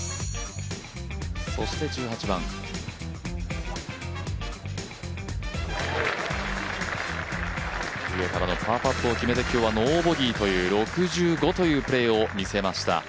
そして１８番、上からのパーパットを決めて今日はノーボギーという６５というプレーを見せました。